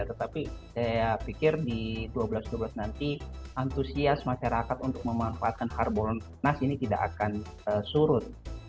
tetapi saya pikir di dua belas dua belas nanti antusias masyarakat untuk memanfaatkan harbolnas ini tidak akan surut